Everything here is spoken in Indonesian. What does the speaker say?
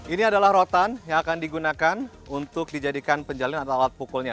ini adalah rotan yang akan digunakan untuk dijadikan penjalin atau alat pukulnya